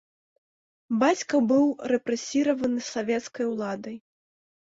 Бацька быў рэпрэсіраваны савецкай уладай.